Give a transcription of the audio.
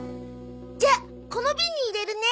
じゃあこのビンに入れるね。